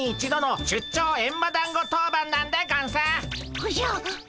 おじゃ！